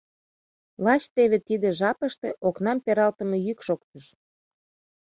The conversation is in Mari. Лач теве тиде жапыште окнам пералтыме йӱк шоктыш.